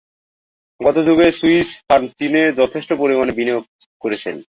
গত যুগে Swiss firm চীনে যথেষ্ট পরিমাণে বিনিয়োগ করেছে।